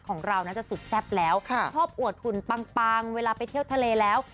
ของเราน่าจะสุดแซ่บแล้วชอบอวดหุ่นปังเวลาไปเที่ยวทะเลแล้ว